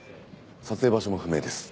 撮影場所も不明です。